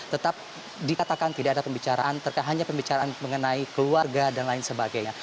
tetap dikatakan tidak ada pembicaraan terkait hanya pembicaraan mengenai keluarga dan lain sebagainya